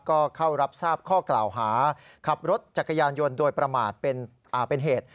ก็เข้ารับทราบข้อกล่าวหาขับรถจักรยานยนต์โดยประมาทเป็นเหตุ